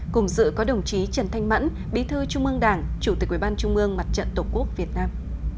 cùng dự có đồng chí trần thanh mẫn bí thư trung ương đảng chủ tịch ubnd mặt trận tổ quốc việt nam